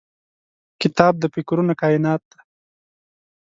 کتاب د فکرونو کائنات دی.